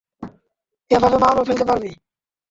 এভাবে মালও ফেলতে পারবি।